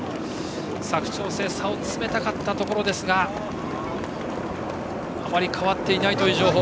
佐久長聖は差を詰めたかったところですがあまり変わっていないという情報。